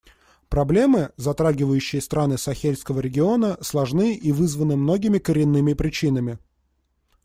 Проблемы, затрагивающие страны Сахельского региона, сложны и вызваны многими коренными причинами.